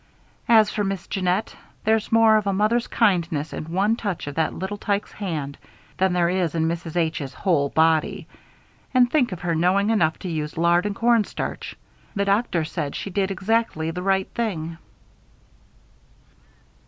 As for Miss Jeannette, there's more of a mother's kindness in one touch of that little tyke's hand than there is in Mrs. H.'s whole body. And think of her knowing enough to use lard and cornstarch. The doctor said she did exactly the right thing."